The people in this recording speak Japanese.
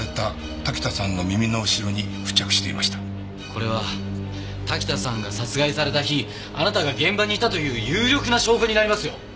これは滝田さんが殺害された日あなたが現場にいたという有力な証拠になりますよ。